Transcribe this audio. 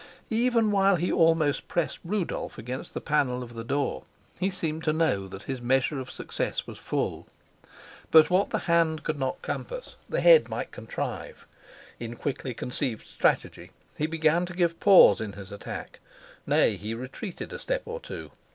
Even while he almost pressed Rudolf against the panel of the door, he seemed to know that his measure of success was full. But what the hand could not compass the head might contrive. In quickly conceived strategy he began to give pause in his attack, nay, he retreated a step or two.